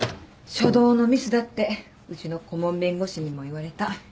初動のミスだってうちの顧問弁護士にも言われた。